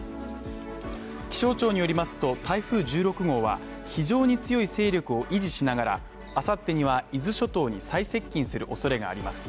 気象庁によりますと、台風１６号は、非常に強い勢力を維持しながら、明後日には伊豆諸島に最接近するおそれがあります。